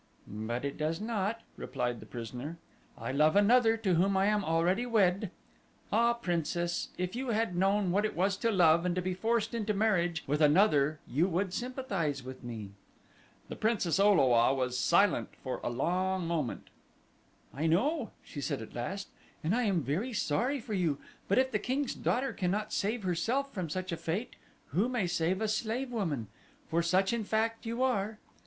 "But it does not," replied the prisoner; "I love another to whom I am already wed. Ah, Princess, if you had known what it was to love and to be forced into marriage with another you would sympathize with me." The Princess O lo a was silent for a long moment. "I know," she said at last, "and I am very sorry for you; but if the king's daughter cannot save herself from such a fate who may save a slave woman? for such in fact you are."